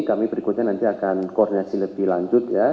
kami berikutnya nanti akan koordinasi lebih lanjut ya